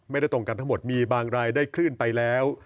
ตรงกันทั้งหมดมีบางรายได้คลื่นไปแล้ว